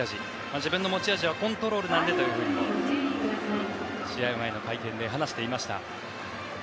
自分の持ち味はコントロールなんでというふうにも試合前の会見で話していました。